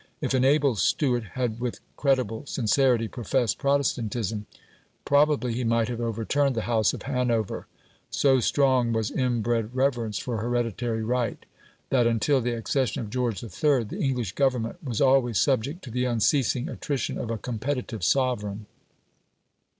If an able Stuart had with credible sincerity professed Protestantism probably he might have overturned the House of Hanover. So strong was inbred reverence for hereditary right, that until the accession of George III. the English Government was always subject to the unceasing attrition of a competitive sovereign.